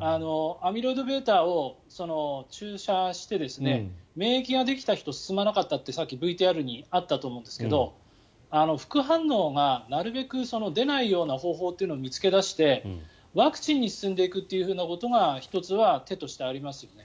アミロイドβを注射して免疫ができた人は進まなかったって、さっきＶＴＲにあったと思うんですが副反応がなるべく出ないような方法というのを見つけ出してワクチンに進んでいくということが１つは手としてありますよね。